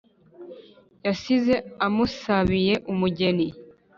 yasize amusabiye umugeni